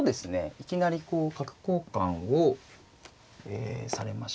いきなりこう角交換をされまして。